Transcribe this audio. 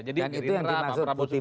jadi rindra pak prabowo sudianto